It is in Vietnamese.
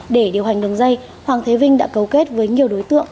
để điều hành đường dây hoàng thế vinh đã cấu kết với nhiều đối tượng